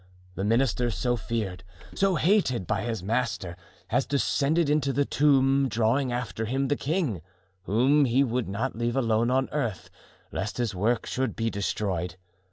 The minister, so feared, so hated by his master, has descended into the tomb, drawing after him the king, whom he would not leave alone on earth, lest his work should be destroyed.